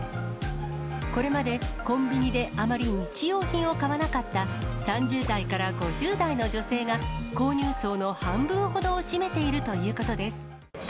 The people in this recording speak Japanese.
これまでコンビニであまり日用品を買わなかった、３０代から５０代の女性が、購入層の半分ほどを占めているということです。